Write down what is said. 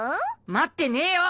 待ってねえよ！